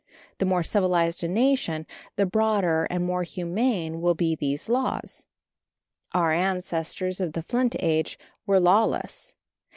The more civilized a nation, the broader and more humane will be these laws. Our ancestors of the flint age were lawless.